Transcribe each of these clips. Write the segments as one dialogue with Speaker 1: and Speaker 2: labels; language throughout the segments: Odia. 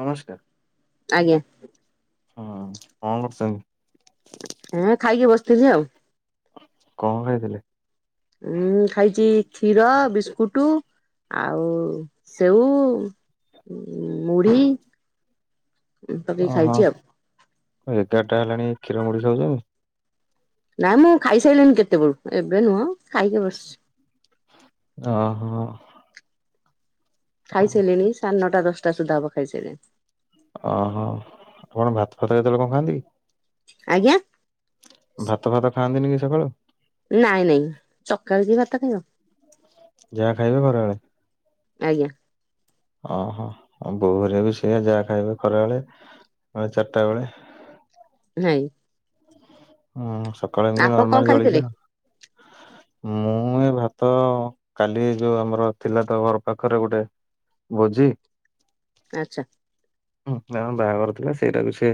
Speaker 1: ନମସ୍କାର।
Speaker 2: ଆଜ୍ଞା।
Speaker 1: ହଁ କଣ କରୁଚ?
Speaker 2: ହଁ ଖାଇକି ବସିଥିଲି ଆଉ।
Speaker 1: କଣ ଖାଇଥିଲେ?
Speaker 2: ଉଁ ଖାଇଛି କ୍ଷୀର ବିସ୍କୁଟ। ଆଉ ସେଉ ମୁଢି। ପକେଇକି
Speaker 1: ଓହୋ
Speaker 2: ଖାଇଛି ଆଉ
Speaker 1: ଏଗାରଟା ହେଲାଣି କ୍ଷୀର ମୁଡ଼ି ଖାଉଚ?
Speaker 2: ନାଇଁ ମୁଁ ଖାଇସାରିଲିିନି କେତେବେଳୁ, ଏବେ ନୁହଁ ଖାଇକି ବସି।
Speaker 1: ଓ ହୋ।
Speaker 2: ଖାଇସାରିଲଣିି ସାଢ଼େ ନଅଟା ଦଶଟା ସୁଦ୍ଧା ହବ ଖାଇସାରିଲିଣୀ।
Speaker 1: ଓହୋ ଭାତ ଫାତ କେତେବେ କଣ ଖାଆନ୍ତି କି?
Speaker 2: ଆଜ୍ଞା।
Speaker 1: ଭାତ ଫାତ ଖାଆନ୍ତିନି କି ସକାଳୁ?
Speaker 2: ନାଇଁ ନାଇଁ, ସଖାଳୁ କିଏ ଭାତ ଖାଇବ?
Speaker 1: ଯାହା ଖାଇବେ ଖରାବେଳୁ।
Speaker 2: ଆଜ୍ଞା।
Speaker 1: ଓହୋ ବୋହୂରେ ବି ସେଆ ଯାହା ଖାଇବେ ଖରାବେଳେ। ହଁ ଚାରିଟା ବେଳେ?
Speaker 2: ନାଇଁ।
Speaker 1: ହୁଁ ସକାଳେ ଏମିତି
Speaker 2: ଆପଣ କଣ
Speaker 1: ନମାଲ
Speaker 2: ଖାଇଥିଲେ
Speaker 1: ଜଳିଖିଆ ମୁଁ ଏ ଭାତ କାଲି ଯୋଉ ଆମର ଥିଲା ତ ଘର ପାଖରେ ଗୋଟେ ଭୋଜି।
Speaker 2: ଆଚ୍ଛା।
Speaker 1: ହୁଁ ବାହାଘର ଥିଲା ସେଇଟାକୁ ସେ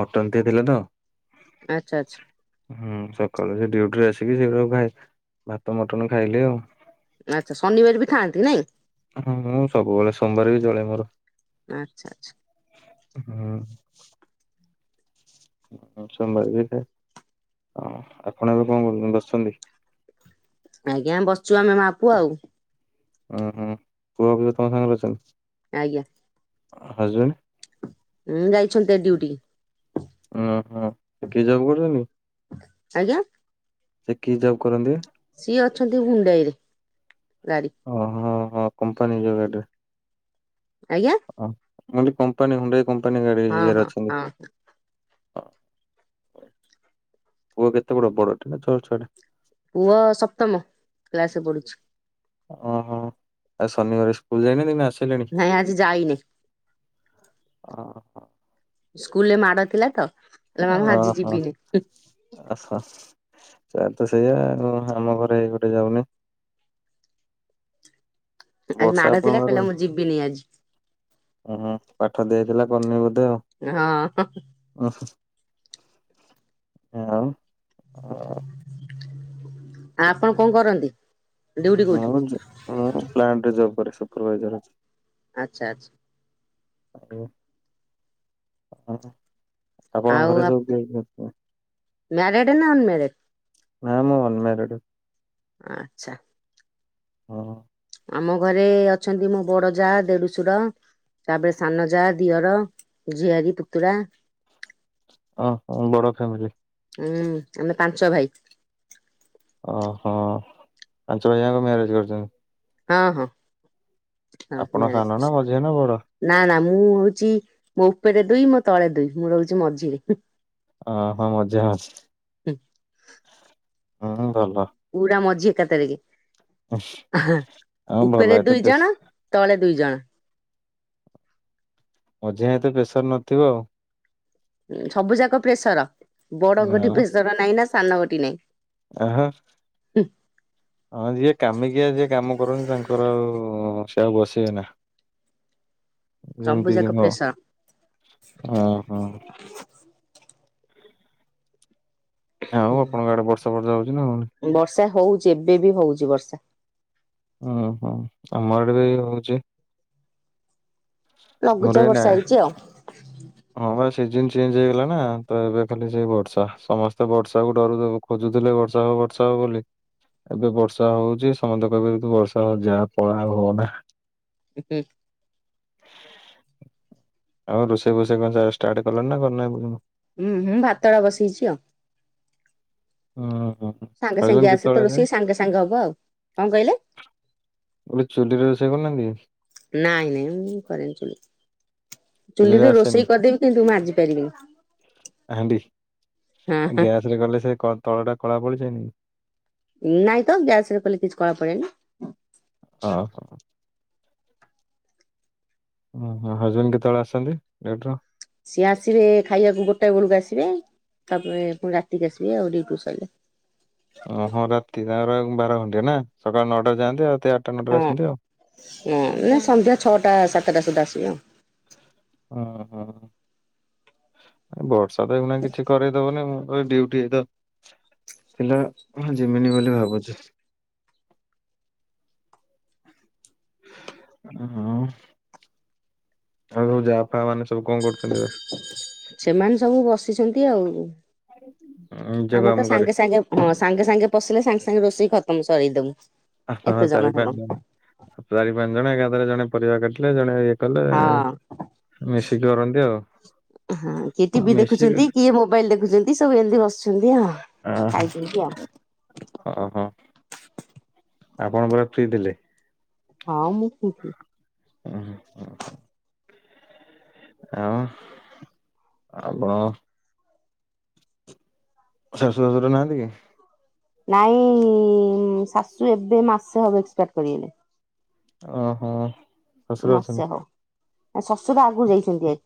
Speaker 1: ମଟନ ଦେଇଥିଲେ ତ?
Speaker 2: ଆଚ୍ଛା ଆଚ୍ଛା।
Speaker 1: ହୁଁ ସକାଳୁ ସେ ଡୁଟିରେ ଆସିକି ସେଗୁରା କୁ [unintelligible] ଭାତ ମଟନ ଖାଇଲେ ଆଉ।
Speaker 2: ଆଚ୍ଛା ଶନିବାର ବି ଖାଆନ୍ତି ନାଇଁ?
Speaker 1: ହଁ ମୁଁ ସବୁବେଳେ ସୋମବାର ବି ଜଳେ ମୋର
Speaker 2: ଆଚ୍ଛା ଆଚ୍ଛା।
Speaker 1: ହୁଁ। ସୋମବାର ହଁ ଆପଣ ଏବେ କଣ କରୁ ବଛନ୍ତି?
Speaker 2: ଆଜ୍ଞା ବସିଚୁ ଆମେ ମାଆ ପୁଅ ଆଉ।
Speaker 1: ଓଁ ହୋ ପୁଅ ବି ତମ ସହିତ [unintelligible]
Speaker 2: ଆଜ୍ଞା।
Speaker 1: [unintelligible]
Speaker 2: ଉୁଁ ଯାଇଛନ୍ତି [unintelligible] ଡ୍ୟୁଟି।
Speaker 1: ଓହୋ କିଏ ଜବ କରୁଛନ୍ତି?
Speaker 2: ଆଜ୍ଞା?
Speaker 1: ସେ କି ଜବ୍ କରନ୍ତି?
Speaker 2: ସିଏ ଅଛନ୍ତି ହୁଣ୍ଡାଇ ରେ ଗାଡି।
Speaker 1: ଓହଁ ହଁ କମ୍ପାନୀ ଗାଡ଼ିରେ।
Speaker 2: ଆଜ୍ଞା?
Speaker 1: ହ ମ କମ୍ପାନୀ ହୁଣ୍ଡାଇ କମ୍ପାନୀ ଗାଡି
Speaker 2: ହଁ
Speaker 1: ଏରେ
Speaker 2: ହଁ
Speaker 1: ଅଛନ୍ତି?
Speaker 2: ହଁ
Speaker 1: ହ ପୁଅ କେତେ ବଡ ବଡଟେ ନା ଛୋଆ ଛୁଆଟେ?
Speaker 2: ପୁଅ ସପ୍ତମ କ୍ଲାସରେ ପଢୁଛି।
Speaker 1: ଓହୋ ଆଉ ଶନିବାର ସ୍କୁଲ ଯାଇନି ଦିନେ ଆସିଲେଣି।
Speaker 2: ନା ଆଜି ଯାଇନି।
Speaker 1: ହଁ
Speaker 2: ସ୍କୁଲରେ ମାଡ ଥିଲା ତ। କହିଲା
Speaker 1: ଓ
Speaker 2: ମାମା ଆଜି
Speaker 1: ହୋ
Speaker 2: ଯିବିନି
Speaker 1: ଆସ ସେ ତ ସେଇଆା ଆମ ଘରେ ଏଇ ଗୋଟେ ଯାଉନି।
Speaker 2: ଆଜି
Speaker 1: ବର୍ଷା
Speaker 2: ମାଡ ଥିଲା
Speaker 1: ଆପଣଙ୍କର
Speaker 2: କହିଲା ମୁଁ ଯିବିନି ଆଜି।
Speaker 1: ଓ ହଁ ପାଠ ଦିଆଥିଲା କରିନି ବୋଧେ ଆଉ।
Speaker 2: ହଁ।
Speaker 1: ଓ ଆଉ।
Speaker 2: ଆପଣ କଣ କରନ୍ତି ଡିଉଟି
Speaker 1: ମୁଁ
Speaker 2: କୋଉଠି।
Speaker 1: ଯ ମୁଁ ପରେ ପଲାଟ କରେ ସୁପରଭାଇଜର ଅଛି।
Speaker 2: ଆଚ୍ଛା ଆଚ୍ଛା।
Speaker 1: ହଉ।
Speaker 2: ଆଉ
Speaker 1: ଆପଣଙ୍କ ଘରେ ସବୁ କିଏ କିଏ।
Speaker 2: ମ୍ୟାରେଡ ନା ଅନମ୍ୟାରେଡ
Speaker 1: ନା ମୁଁ ଅନ୍ମମାରେଢ।
Speaker 2: ଆଚ୍ଛା।
Speaker 1: ହଁ।
Speaker 2: ଆମ ଘରେ ଅଛନ୍ତି ମୋ ବଡ ଯା ଦେଢୁଶୂୁର। ତାପରେ ସାନଜା ଦିଅର ଝିଆରୀ ପୁତୁରା।
Speaker 1: ହଁ ବଡ ଫ୍ୟାମିଲି।
Speaker 2: ହୁଁ ଆମେ ପାଞ୍ଚ ଭାଇ।
Speaker 1: ଓହୋ ପାଞ୍ଚ ଭଇଜାକ ମ୍ୟାରେଜ କରିଛନ୍ତି।
Speaker 2: ହଁ ହଁ। ସମସ୍ତେ
Speaker 1: ଆପଣ
Speaker 2: ମ୍ୟାରେଜ
Speaker 1: ସାନ
Speaker 2: କରିସାରିଲେଣି
Speaker 1: ନା ମଝିଆ ନା ବଡ।
Speaker 2: ନା ନା ମୁଁ ହଉଛି ମୋ ଉପେରେ ଦୁଇ ମୋ ତଳେ ଦୁଇ ମୁଁ ରହୁଛି ମଝିରେ।
Speaker 1: ହଁ ହୋ ମଝିଆ ଅଛି ହୁଁ ଭଲ।
Speaker 2: ପୁରା ମଝି ଏକା ଥରେ କେ
Speaker 1: ଆଉ ଭଲ
Speaker 2: ଉପରେ
Speaker 1: ଏତେ
Speaker 2: ଦୁଇ
Speaker 1: ପ୍ରେସ
Speaker 2: ଜଣ। ତଳେ ଦୁଇ ଜଣ।
Speaker 1: ମଝିଆ ଏତେ ପ୍ରେସର ନଥିବ ଆଉ।
Speaker 2: ସବୁ ଯାକ ପ୍ରେସର
Speaker 1: ନା
Speaker 2: ବଡଙ୍କଠି ପ୍ରେସର ନାହିଁ ନା ସାନଙ୍କଠି ନାହିଁ।
Speaker 1: ହଁ। ହଁ ଯିଏ କାମିକିଆ ଯିଏ କାମ କରନ୍ତି ତାଙ୍କର ଆଉ ସେ ଆଉ ବସିବେ ନା। ଯେମିତି କି
Speaker 2: ସବୁଜାକ
Speaker 1: ହଁ
Speaker 2: ପ୍ରେଶର।
Speaker 1: ହଁ। ଆଉ ଆପଣଙ୍କ ଆଡେ ବର୍ଷା ଫର୍ଶା ହଉଛି ନା ହନାନି।
Speaker 2: ବର୍ଷା ହଉଛି ଏବେ ବି ହଉଛି ବର୍ଷା।
Speaker 1: ହୁଁ ଆମ ଆଡେ ବି ହଉଛି। ମୋର
Speaker 2: ଲଘୁଚାପ
Speaker 1: ଏଇନା
Speaker 2: ବର୍ଷା ହେଇଛି ଆଉ।
Speaker 1: ହଁ ବା ସିଜନ୍ ଚେଞ୍ଜ ହେଇଗଲା ନା ତ ଏବେ ଖାଲି ସେଇ ବର୍ଷା ସମସ୍ତେ ବର୍ଷା କୁ ଡରୁଚନ୍ତି। ଖୋଜୁଥିଲେ ବର୍ଷା ହଉ ବର୍ଷା ହଉ ବୋଲି। ଏବେ ବର୍ଷା ହଉଛି ସମସ୍ତେ କହିବେ କି ବର୍ଷା ଯାହା ପଳା ଆଉ ହଉନା।
Speaker 2: ଏତେ।
Speaker 1: ଆଉ ରୋଷେଇ ଫୋଷେଇ କ ଷ୍ଟାର୍ଟ କଲଣି ନା କରୀନ।
Speaker 2: ହୁଁ ହଁ ଭାତ ଟା ବସେଇଛିି ଆଉ।
Speaker 1: ଓଁ ହୋ।
Speaker 2: ସାଙ୍ଗେ ସାଙ୍ଗେ ଗ୍ୟାସ୍ ତ ରୋଷେଇ ସାଙ୍ଗେ ସାଙ୍ଗେ ହବ ଆଉ, କଣ କହିଲେ?
Speaker 1: ଗୋଟେ ଚୁଲିରେ ରୋଷେଇ କରୁନାହାନ୍ତି କି?
Speaker 2: ନାଇଁ ନାଇଁ ମୁଁ କରେନି ଚୁଲି। ଚୁଲିରେ ରୋଷେଇ କରିଦେବି କିନ୍ତୁ ମାଜି ପାରିବିନି।
Speaker 1: ହାଣ୍ଡି
Speaker 2: ହଁ ହଁ
Speaker 1: ଗ୍ୟାସରେ କଲେ ସେ କ ତଳଟା କଳା ପଡିଯାଏନି?
Speaker 2: ନାଇଁ ତ ଗ୍ୟାସରେ କଲେ କିଛି କଳା ପଡେନି।
Speaker 1: ଅ ହ। ଓ ହୋ ହଜବେଣ୍ଡ କେତେବେଳେ ଆସନ୍ତି ଡିଉଟିରୁ?
Speaker 2: ସିଏ ଆସିବେ ଖାଇବାକୁ ଗୋଟାଏ ବେଳକୁ ଆସିବେ, ତାପରେ ପୁଣି ରାତିକୁି ଆସିବେ ଆଉ ଡିଉଟି ସଇଲେ।
Speaker 1: ଅ ହ ରାତି ତାଙ୍କର ଆଉ ବାର ଘଣ୍ଟିଆ ନା ସକାଳ ନଅଟାରେ ଯାଆନ୍ତି ଆଉ ରାତି ଆଠଟା ନଅଟାରେ ଆସନ୍ତି ଆଉ।
Speaker 2: ନା ନା ସନ୍ଧ୍ୟା ଛଅଟା ସାତଟା ସୁଦ୍ଧା ଆସିବେ ଆଉ।
Speaker 1: ଅ ହ ବର୍ଷ ଅଵିକା ଦେଖୁନାହାଁନ୍ତି କିଛି କରାଇଦବନି ମୁଁ ବା ଡ୍ୟୁଟି ଯାଇଥାନ୍ ଥିଲା ଜିମିନି ବୋଲି ଭାବୁଛି। ହଁ। ଆଉ ସବୁ ଯା ଫା ମାନେ ସବୁ କଣ କରୁଛନ୍ତି ଏବେ?
Speaker 2: ସେମାନେ ସବୁ ବସିଛନ୍ତି ଆଉ
Speaker 1: ନିଜ
Speaker 2: ଆମର
Speaker 1: କାମ
Speaker 2: ତ
Speaker 1: କରେ
Speaker 2: ସାଙ୍ଗେ ସାଙ୍ଗେ ହଁ ସାଙ୍ଗେ ସାଙ୍ଗେ ପଶିଲେ ସାଙ୍ଗେ ସାଙ୍ଗେ ରୋଷେଇ ଖତମ ସରେଇଦବୁ।
Speaker 1: ହଁ
Speaker 2: ଏତେ ଜଣ
Speaker 1: ଚାରି
Speaker 2: ହେଲୁ
Speaker 1: ପାଞ୍ଚ ଜଣ ଚାରି ପାଞ୍ଚ ଜଣ ଏକାଥରେ ଜଣେ ପରିବା କାଟିଲେ ଜଣେ କଲେ
Speaker 2: ହଁ
Speaker 1: ମିଶିକି କରନ୍ତି ଆଉ।
Speaker 2: ହଁ କିଏ
Speaker 1: ଆଉ
Speaker 2: ଟିଭି
Speaker 1: ମିଶିକି
Speaker 2: ଦେଖୁଛନ୍ତି କିଏ ମୋବାଇଲ ଦେଖୁଛନ୍ତି ସବୁ ଏମତି ବସିଛନ୍ତି ଆଉ। ଖାଇ ପିଇକି ଆ।
Speaker 1: ଅ ହ। ଆପଣ କଣ ଫ୍ରି ଥିଲେ?
Speaker 2: ହଁ ମୁଁ ଫ୍ରି ଥିଲି।
Speaker 1: ଓ ହ ହ। ଆଉ ଆଉ କଣ? ଶାଶୁ ଶାଶୁର ନାହାନ୍ତି କି?
Speaker 2: ନାଇଁ ଶାଶୁ ଏବେ ମାସେ ହବ ଏକ୍ସପାଡ କରିଗଲେ।
Speaker 1: ଓହୋ। ଶ୍ୱଶୁର ଅଛନ୍ତି।
Speaker 2: ମାସେ ହବ ଆଉ ଶଶୁର ଆଗରୁ ଯାଇଛନ୍ତି ହେରି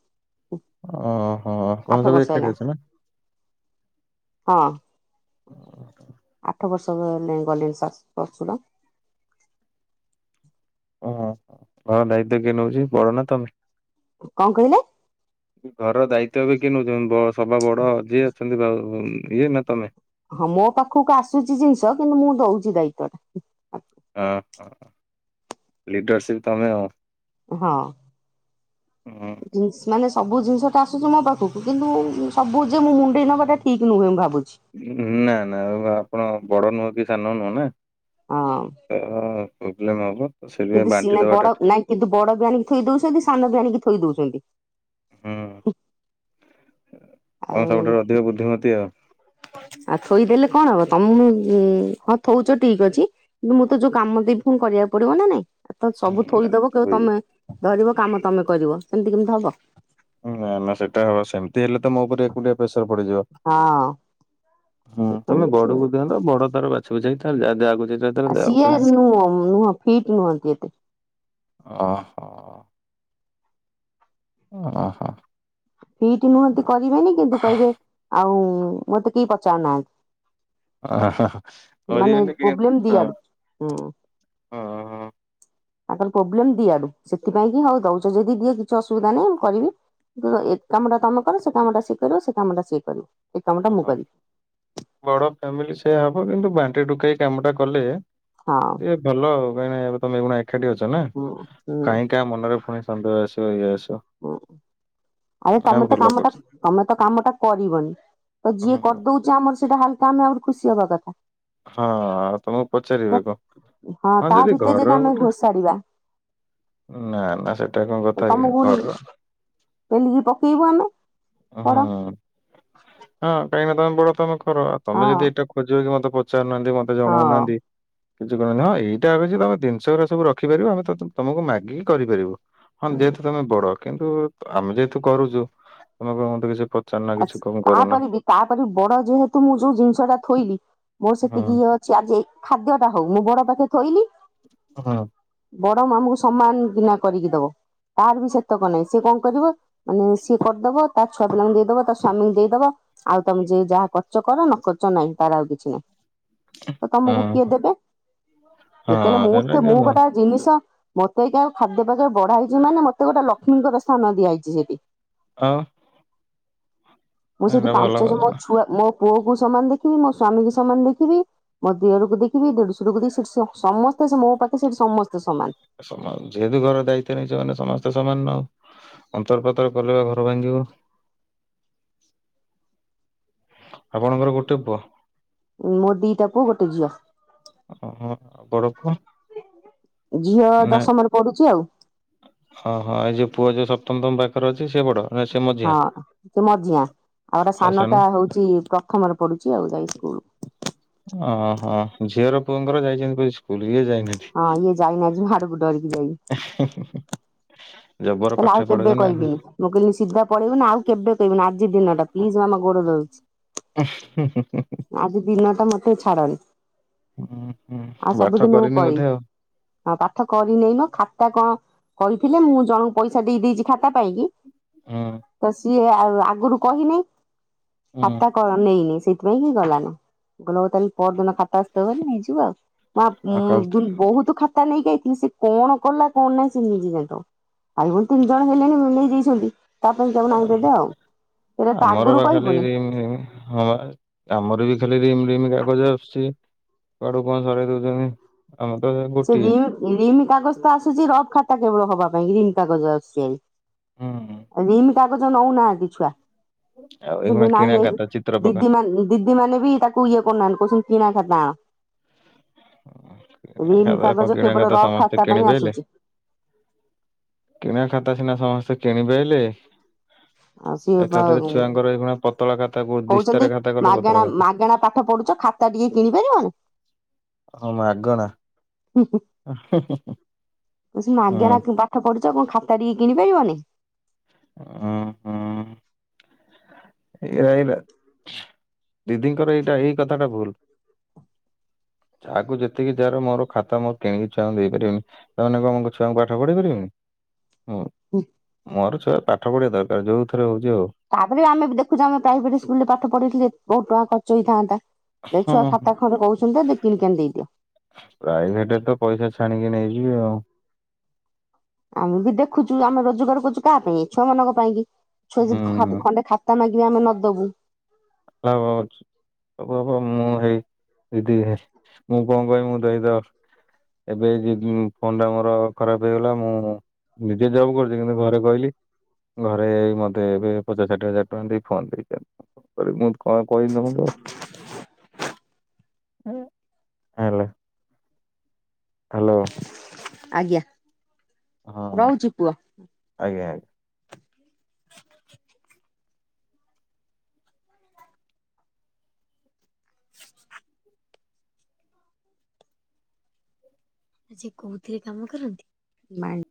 Speaker 1: ଓହୋ ତମେ ସବୁ
Speaker 2: ହେଲା
Speaker 1: ଏକାଠି ଅଛ ନା?
Speaker 2: ହଁ। ଆଠ ବର୍ଷ ଗଲେଇଁ ଗଲେଣି ଶାଶ ଶଶୁର।
Speaker 1: ଓହୋ ଘର ଦାୟିତ୍ କିଏ ନେଉଛି ବଡ ନା ତମେ?
Speaker 2: କଣ କହିଲେ?
Speaker 1: ମୁଁ କହିଲି ଘରର ଦାୟିତ୍ଵ ଏବେ କିଏ ନଉଛନ୍ତି ବ ସବା ବଡ ଯିଏ ଅଛନ୍ତି ଭାଉ ଉଁ ଇଏ ନା ତମେ?
Speaker 2: ହଁ ମୋ ପାଖକୁ ଆସୁଛି ଜିନିଷ କିନ୍ତୁ ମୁଁ ଦଉଛି ଦାୟିତ୍ଵ ଟା।
Speaker 1: ଅ ହ ହ ଲିଡରସିପ ତମେ ଆଉ।
Speaker 2: ହଁ।
Speaker 1: ହଁ।
Speaker 2: ଜିନସ୍ ନାହିଁ ଆ ସବୁ ଜିନିଷ ଟା ଆସୁଛି ମୋ ପାଖକୁ କିନ୍ତୁ ଉଁ ସବୁ ଯେ ମୁଁ ମୁଣ୍ଡେଇ ନବାଟା ଠିକ ନୁହେଁ ମୁଁ ଭାବୁଛି।
Speaker 1: ନା ନା ଆପଣ ବଡ ନୁହଁ କି ସାନ ନୁହଁ ନା
Speaker 2: ହଁ
Speaker 1: ତ ପ୍ରୋବ୍ଲେମ୍ ହବ ତ
Speaker 2: କିନ୍ତୁ
Speaker 1: ସେଥିପାଇଁ
Speaker 2: ସି
Speaker 1: ବାଣ୍ଟି
Speaker 2: ନାଇଁ ବଡ
Speaker 1: ଦେବାଟା ଠିକ୍।
Speaker 2: ନାଇଁ କିନ୍ତୁ ବଡ ଜାଣିକି ଥୋଇ ଦଉଛନ୍ତି ସାନ ଜାଣିକି ଥୋଇ ଦଉଛନ୍ତି।
Speaker 1: ହୁଁ ତମ
Speaker 2: ଆଉ
Speaker 1: ସବୁଠାରୁ ଅଧିକ ବୁଦ୍ଧିମତି ଆଉ।
Speaker 2: ଆଉ ଥୋଇଦେଲେ କଣ ହବ ତମକୁ ଉଁ ହଁ ଥଉଛ ଠିକ ଅଛି ମୁଁ ତ ଯୋଉ କାମ ଦେବି ଫୁଣି କରିବାକୁ ପଡିବ ନା ନାଇଁ। ଏ ତ ସବୁ ଥୋଇଦବ କହିବ
Speaker 1: ହୁଁ
Speaker 2: ତମେ ଧରିବ, କାମ ତମେ କରିବ ସେମିତି କେମିତି ହବ?
Speaker 1: ନା ନା ସେଟା ହବା ସେମିତି ହେଲେ ତମ ଉପରେ ପୁରା ପ୍ରେସର ପଡିଯିବ। ହୁଁ ତାପରେ
Speaker 2: ହଁ।
Speaker 1: ବଡକୁ ଦିଆହେଲା ତ ବଡ ତାର ବାଛି ବୁଛାକି ତାର ଯା ଯାକୁ ଯେତ
Speaker 2: ଆଉ ସିଏ ନୁହଁ ନୁହଁ ଫିଟ୍ ନୁହଁନ୍ତି ଏତେ।
Speaker 1: ଓହୋ। ଅ ଅଁହ।
Speaker 2: ଫିଟି ନୁହନ୍ତି କରିବେନି କିନ୍ତୁ କହିବେ ଆଉ ମତେ କେହି ପଚାରୁନାହା
Speaker 1: ଓହୋ ହୋ
Speaker 2: ମାନେ
Speaker 1: କରିବେନି [unintelligible]
Speaker 2: ପ୍ରୋବ୍ଲେମ
Speaker 1: ହଁ
Speaker 2: ଦିଆଡୁ ହୁଁ
Speaker 1: ହଁ ହଁ।
Speaker 2: ତାଙ୍କର ପ୍ରୋବ୍ଲେମ ଦିଇଆଡୁ ସେଥିପାଇଁ କି ହୋଉ ଦୋଉଚ ଯଦି ଦିଅ କିଛି ଅସୁବିଧା ନାହିଁ ମୁଁ କରିବି। [unintelligible] ଏ କାମଟା ତମେ କର ସେ କାମଟା ସିଏ କରିବ ସେ କାମଟା ସିଏ କରିବ। ଏ କାମଟା ମୁଁ
Speaker 1: ଓହୋ
Speaker 2: କରିବି
Speaker 1: ବଡ ଫ୍ୟାମିଲି ସେୟା ହବ କିନ୍ତୁ ବାଣ୍ଟି ଡୁକେଇ କାମଟା କଲେ
Speaker 2: ହଁ।
Speaker 1: ଟିକେ ଭଲ ଆଉ କାହିଁକିନା ଏବେ ତମେ ଏଖୁଣା ଏଖାଟି ଅଛ ନା
Speaker 2: ହୁଁ ହୁଁ
Speaker 1: କାଇଁ କି ଆ ମନରେ ଫୁଣି ସନ୍ଦେହ ଆସିବ ଇଏ ଆସିବ।
Speaker 2: ଅ ଆରେ
Speaker 1: ନା
Speaker 2: ତମେ ତ
Speaker 1: ଭଲ
Speaker 2: କାମଟା
Speaker 1: କରୁଛ।
Speaker 2: ତମେ ତ କାମଟା କରିବନି ତ
Speaker 1: ହଁ
Speaker 2: ଯିଏ କରଦୋଉଚି ଆମର ସେଇଟା ହାଲକା ଆମେ ଆହୁରି ଖୁସି ହବା କଥା।
Speaker 1: ହଁ ଆଉ ତମକୁ ପଚାରିବେ କଁ ହଁ
Speaker 2: ତା
Speaker 1: ଯଦି
Speaker 2: ଭିତରେ
Speaker 1: ଘରର
Speaker 2: ଆମେ
Speaker 1: ଗୋଟେ
Speaker 2: ଘୋଷାଡିବା
Speaker 1: ନା ନା ସେଟା କଣ କଥା କି
Speaker 2: ତମକୁ
Speaker 1: ଘରର
Speaker 2: ପେଲିକି ପକେଇବୁ ଆମେ ପଡ।
Speaker 1: ହୁଁ। ହଁ କାହିଁକିନା ତମେ ବଡ ତମେ କର ଆ ତମେ
Speaker 2: ହଁ
Speaker 1: ଯଦି ଏଟା ଖୋଜିବ କି ମତେ ପଚାରୁନାହାନ୍ତି ମତେ
Speaker 2: ହଁ
Speaker 1: ଜଣୋଉନାହାନ୍ତି କିଛି କୋହୁନାହାନ୍ତି ହଁ ଏଇଟା ଆଗ ଯେ ତମେ ଜିନିଷଉରା ସବୁ ରଖିପାରିବ ଆମେ ତ ତମକୁ ମାଗିକି କରିପାରିବୁ। ହଁ ଯେହେତୁ ତମେ ବଡ କିନ୍ତୁ ଆମେ ଯେହେତୁ କରୁଚୁ ତମେ କହିବ ମତେ କିଛି ପଚାରୁ ନା
Speaker 2: ଆ
Speaker 1: କିଛି କଣ କରୁନା।
Speaker 2: ତାପରେ ବି ତାପରେ ବଡ ଯେହେତୁ ମୁଁ ଯୋଉ ଜିନିଷଟା ଥୋଇଲି ମୋର
Speaker 1: ହଁ
Speaker 2: ସେତିକି ଇଏ ଅ ଅଛି ଆଜି ଏଇ ଖାଦ୍ୟଟା ହୋଉ ମୁଁ ବଡ ପାଖରେ ଥୋଇଲି
Speaker 1: ଅହଁ।
Speaker 2: ବଡ ମାମୁକୁ ସମାନ ନକରିକି ଦବ। ତାର ବି ସେତକ ନାହିଁ ସିଏ କଣ କରିବ ମାନେ ସିଏ କରିଦବ ତା ଛୁଆ ପିଲାଙ୍କୁ ଦେଇଦବ ତା ସ୍ୱାମୀକୁ ଦେଇଦବା ଆଉ ତମେ ଯିଏ ଯାହା କରଚ କର ନ କରଚ ନାହିଁ ତାର ଆଉ କିଛି ନାହିଁ। ତ ତମକୁ କିଏ
Speaker 1: ହଁ
Speaker 2: ଦେବେ ଯେତେଳେ
Speaker 1: ହଁ
Speaker 2: ମୁଁ
Speaker 1: ସେଇଟା
Speaker 2: ତ
Speaker 1: କି
Speaker 2: ମୁଁ ଗୋଟାଏ ଜିନିଷ ମତେ ଏଇକା ଆଉ ଖାଦ୍ୟ [unintelligible] ବଢା ହେଇଚି ମାନେ ମତେ ଗୋଟେ ଲକ୍ଷ୍ମୀଙ୍କର ସ୍ଥାନ ଦିଆହେଇଚି ସେଠି
Speaker 1: ଆଉ।
Speaker 2: ମୁଁ ସେଇଠି
Speaker 1: ଏଇଟା ଭଲ
Speaker 2: ପାଞ୍ଚ ଜଣ
Speaker 1: କଥା
Speaker 2: ମୋ
Speaker 1: ନା।
Speaker 2: ଛୁଆ ମୋ ପୁଅକୁ ସମାନ ଦେଖିବି ମୋ ସ୍ଵାମୀକୁ ସମାନ ଦେଖିବି ମୋ ଦିଅରକୁ ଦେଖିବି ଦେଢଶରକୁ ଦେଇ ସେଠି ସ-ସମସ୍ତେ ମୋ ପାଖେ ସେଠି ସମସ୍ତେ ସମାନ।
Speaker 1: ସମାନ ଯେହେତୁ ଘର ଦାୟିତ୍ୱ ନେଇଚ ମାନେ ସମସ୍ତେ ସମାନ ନୁହ ଅନ୍ତର ପାତର କଲେ ପା ଘର ଭାଙ୍ଗିବ। ଆପଣଙ୍କର ଗୋଟେ ପୁଅ?
Speaker 2: ଉ ମୋ ଦିଇଟା ପୁଅ ଗୋଟେ ଝିଅ।
Speaker 1: ଓହୋ ଆଉ ବଡ଼ପୁଅ?
Speaker 2: ଝିଅ ଦଶମରେ ପଡୁଚି ଆଉ।
Speaker 1: ହଁ ହଁ ଏଇ ଯିଏ ପୁଅ ଯିଏ ସପ୍ତମ ତମ ପାଖରେ ଅଛି ସିଏ ବଡ଼?
Speaker 2: ହଁ ସେ ମଝିଆ ଆଉ ଏଟେ
Speaker 1: ଆଉ ସାନ
Speaker 2: ସାନଟା ହୋଉଚି ପ୍ରଥମରେ ପଡୁଚି ଆଉ ଯାଇ ସ୍କୂଲ
Speaker 1: ଓହୋ ଝିଅର ପୁଅଙ୍କର ଯାଇଚନ୍ତି ବୋଧେ ସ୍କୁଲ ଇଏ ଯାଇନାହାନ୍ତି?
Speaker 2: ହଁ ଇଏ ଯାଇନି ଆଜି ମାଡକୁ ଡ଼ରିକି ଯାଇନି।
Speaker 1: ଏ ହେ ହେ ହେ।
Speaker 2: ତାହଲେ ଆଉ କେବେ
Speaker 1: ହୁଁ
Speaker 2: କହିବିନି ମୁଁ କହିଲି ସିଧା ପଳେଇବୁ ନା ଆଉ କେବେ କହିବିନି ଆଜି ଦିନଟା ପ୍ଲିଜ୍ ମାମା ଗୋଡ ଧରୁଚି।
Speaker 1: ଉଁ ହୁ ହୁ ହୁ ହୁ।
Speaker 2: ଆଜି ଦିନଟା ମତେ ଛାଡନି
Speaker 1: ହୁଁ,
Speaker 2: ଆଉ
Speaker 1: ହୁଁ। ପାଠ
Speaker 2: ସବୁଦିନ ମୁଁ
Speaker 1: କରିନି
Speaker 2: ପଳେଇବି।
Speaker 1: ବୋଧେ ଆଉ
Speaker 2: ହଁ ପାଠ କରିନେଇ ନା ଖାତା କଣ କହିଥିଲେ ମୁଁ ଜଣଙ୍କୁ ପଇସା ଦେଇ ଦେଇଚି ଖାତା ପାଇଁକି
Speaker 1: ହୁଁ।
Speaker 2: ତ ସିଏ ଆଉ ଆଗୁରୁ କହିନେଇ
Speaker 1: ହୁଁ
Speaker 2: ଖାତା କ ନେଇନେଇ ସେଇ ଥି ପାଇଁକି ଗଲାନ ମୁଁ କହିଲି ହୋଉ ତାହେଲେ ପହରଦିନ ଖାତା ଆସଥିବ ଭାରି ନେଇଯିବୁ ଆଉ। ନା
Speaker 1: ଆଉ
Speaker 2: ଉଁ
Speaker 1: କାଲି
Speaker 2: ଦୁନ୍ ବୋହୁତ ଖାତା ନେଇକି ଆଇଥିଲି ସେ କଣ କଲା କଣ ନାଇ ସେ ନିଜ ଜାଣିଥବ। ଭାଇ ଭୋଉଣୀ ତିନି ଜଣ ହେଲେଣି ନେଇ ଯାଇଛନ୍ତି ତା ପାଇଁ କଣ [unintelligible] ଆଉ କିରେ ତୁ
Speaker 1: ଆମର
Speaker 2: ଆଗୁରୁ
Speaker 1: ବା ଖାଲି
Speaker 2: କହିବୁନି।
Speaker 1: ରିମ୍ ରିମ୍ ହଁ ପା ଆମର ବି ଖାଲି ରିମ୍ ରିମ୍ କାଗଜ ଆସୁଚି। କୁଆଡୁ କଣ ସରେଇ ଦଉଛନ୍ତି। ଆମ ତ [unintelligible]
Speaker 2: ସେ ରିମ୍ ରିମ୍ କାଗଜ ତ ଆସୁଛି ରଫ ଖାତା କେବଳ ହବା ପାଇଁ ରିମ୍ କାଗଜ ଆସୁଛି
Speaker 1: ହୁଁ।
Speaker 2: ହେରି। ରିମ୍ କାଗଜ ନଉନାହାନ୍ତି ଛୁଆ।
Speaker 1: ଆଉ ଏଇଗୁଣା କିଣା
Speaker 2: ନାଇଁ ଏଇ
Speaker 1: ଖାତା ଚିତ୍ର ପକା
Speaker 2: ଦିଦି ମାନେ ଦିଦି ମାନେ ବି ତାକୁ ଇଏ କରୁନାହାନ୍ତି କହୁଛନ୍ତି କିଣା ଖାତା ଆଣ।
Speaker 1: କିଣା
Speaker 2: ରିମ୍
Speaker 1: ଖାତା କଣ
Speaker 2: କାଗଜ
Speaker 1: କିଣା
Speaker 2: କେବଳ ରଫ୍
Speaker 1: ସମସ୍ତେ
Speaker 2: ଖାତା
Speaker 1: କିଣି
Speaker 2: ପାଇଁ ଆସୁଛି।
Speaker 1: କିଣି ଖାତା ସିନା ସମସ୍ତେ କିଣି ପାଇଲେ
Speaker 2: ଆଉ ସିଏ ବା
Speaker 1: ଏକାଥରେ ଛୁଆଙ୍କର ଏଭଳିଆ ପତଳା ଖା
Speaker 2: କହୁଛନ୍ତି ମାଗଣା ମାଗଣା ପାଠ ପଢୁଛ ଖାତା ଟିକେ କିଣି ପାରିବନି।
Speaker 1: ହଁ ମାଗଣା।
Speaker 2: ହୁଁ ହୁଁ।
Speaker 1: ଆ ହେଁ ହେଁ ହେଁ।
Speaker 2: କହୁଛି ମାଗେଣା ପାଠ ପଢୁଛ କଣ ଖାତା ଟିକେ କିଣି ପାରିବନି।
Speaker 1: ଓ ଏଇରା ଏଇରା ଦିଦିଙ୍କର ଏଇଟା ଏଇ କଥାଟା ଭୁଲ।
Speaker 2: [inaudible]
Speaker 1: ଯାହାକୁ ଯେତିକି ଯାହାର ମୋର ଖାତା ମୋର କିଣିକି ଛୁଆଙ୍କୁ ଦେଇପାରିବିନି। ତା ମାନେ କଣ ମୁଁ ଛୁଆଙ୍କୁ ପାଠ ପଢ଼େଇ ପାରିବିନି। ହୁଁ ମୋର ଛୁଆ ପାଠ ପଢିବା ଦରକାର ଯୋଉ ଥରେ ହଉଛି ହଉ।
Speaker 2: ତାପରେ ବି ଆମେ ବି ଦେଖୁଛୁ ଆମ ପ୍ରାଇଭେଟ୍ ସ୍କୁଲରେ ପାଠ ପଢେଇଥିଲେ ବହୁତ ଟଙ୍କା ଖର୍ଚ ହେଇଥାନ୍ତା। ଏ ଛୁଆ
Speaker 1: ହଁ
Speaker 2: ଖାତା ଖଣ୍ଡେ କହୁଛନ୍ତି କିଣିକି ଆଣି ଦେଇଦିଅ।
Speaker 1: ପ୍ରାଇଭେଟ ରେ ତ ପଇସା ଛାଣିକି ନେଇଯିବେ ଆଉ।
Speaker 2: ଆମେ ବି ଦେଖୁଛୁ ଆମେ ରୋଜଗାର କରୁଛୁ କା ପାଇଁ ଛୁଆ ମାନଙ୍କ ପାଇଁ କି ଛୁଆ ଯ
Speaker 1: ହୁଁ।
Speaker 2: ଖଣ୍ଡେ ଖାତା ମାଗିବେ ଆମେ ନ ଦବୁ
Speaker 1: ହ ହଛି [unintelligible] ହବ ହପ ମୁଁ ହେଇ ଦିଦି ମୁଁ କଣ କହିବି ମୁଁ ଦେଇଦ ଏବେ ଯ ଫୋନ ଟା ମୋର ଖରାପ ହେଇଗଲା ମୁଁ ନିଜେ ଜବ କରୁଛି କିନ୍ତୁ ଘରେ କହିଲି ଘରେ ମତେ ଏବେ ପଚା ଷାଠିଏ ହଜାର ଟଙ୍କା ଦେଇ ଫୋନ ଦେଇ ମୁଁ କଣ କହିିଲି ତମକୁ ହେଲା ହ୍ୟାଲୋ।
Speaker 2: ଆଜ୍ଞ।
Speaker 1: ହଁ ଆଜ୍ଞା ଆଜ୍ଞା।
Speaker 2: ସେ କୋଉଥିରେ କାମ କରନ୍ତି। ମାଇ